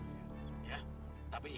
baik kita pergi